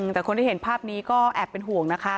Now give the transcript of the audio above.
แต่คนที่เห็นภาพนี้ก็แอบเป็นห่วงนะคะ